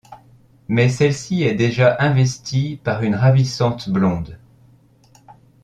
Mais celle-ci est déjà investie par une ravissante blonde.